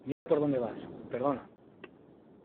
¡ Mira por dónde vas ! Perdona .